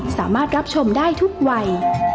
สามารถรับชมได้ทุกวัย